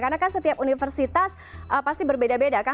karena kan setiap universitas pasti berbeda beda kan